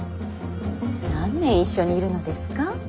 何年一緒にいるのですか。